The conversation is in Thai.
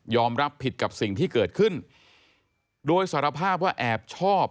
รับผิดกับสิ่งที่เกิดขึ้นโดยสารภาพว่าแอบชอบ